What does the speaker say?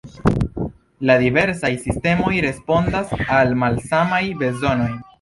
La diversaj sistemoj respondas al malsamaj bezonoj.